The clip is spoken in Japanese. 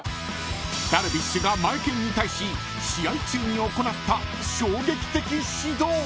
［ダルビッシュがマエケンに対し試合中に行った衝撃的指導］